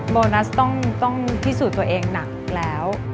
โบนัสต้องพิสูจน์ตัวเองหนักแล้ว